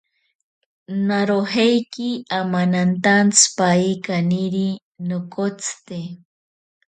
Narojeiki amanantantsipaye kaniri nokotsite.